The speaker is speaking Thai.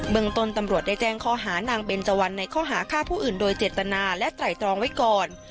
เมืองต้นตำรวจได้แจ้งข้อหานางเบนเจวันในข้อหาฆ่าผู้อื่นโดยเจตนาและไตรตรองไว้ก่อน